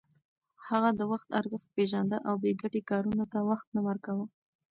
هغه د وخت ارزښت پېژانده او بې ګټې کارونو ته وخت نه ورکاوه.